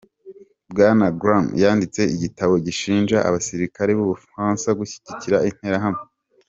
Bwana Graner yanditse igitabo gishinja abasirikare b'Ubufaransa gushyigikira interahamwe.